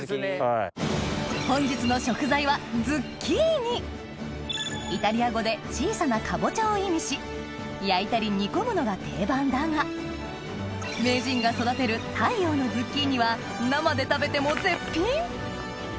本日の食材はイタリア語で「小さなカボチャ」を意味し焼いたり煮込むのが定番だが名人が育てる太陽のズッキーニは生で食べても絶品！